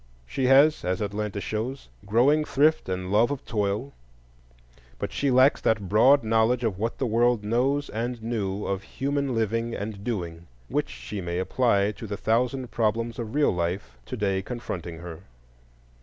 She has, as Atlanta shows, growing thrift and love of toil; but she lacks that broad knowledge of what the world knows and knew of human living and doing, which she may apply to the thousand problems of real life to day confronting her.